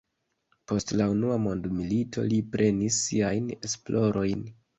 Post la Unua mondmilito li reprenis siajn esplorojn.